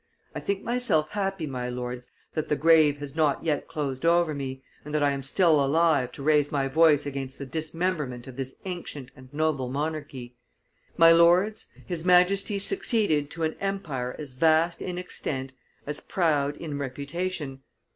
I think myself happy, my lords, that the grave has not yet closed over me, and that I am still alive to raise my voice against the dismemberment of this ancient and noble monarchy! My lords, his Majesty succeeded to an empire as vast in extent as proud in reputation.